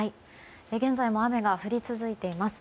現在も雨が降り続いています。